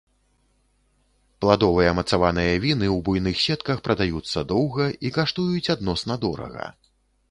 Пладовыя мацаваныя віны у буйных сетках прадаюцца доўга і каштуюць адносна дорага.